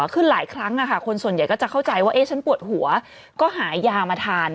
ขึ้นหลายครั้งคนส่วนใหญ่ก็จะเข้าใจว่าฉันปวดหัวก็หายามาทาน